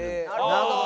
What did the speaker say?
なるほど。